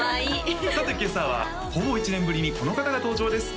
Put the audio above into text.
さて今朝はほぼ１年ぶりにこの方が登場です